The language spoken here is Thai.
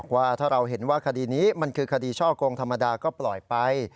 ว่าถ้าเราเห็นว่าคดีนี้มันคือคดีช่อกงธรรมดาก็ปล่อยไป